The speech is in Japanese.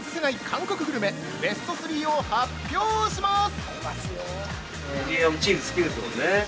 韓国グルメベスト３を発表します！